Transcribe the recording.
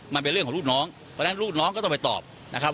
มันเป็นเรื่องของลูกน้องเพราะฉะนั้นลูกน้องก็ต้องไปตอบนะครับ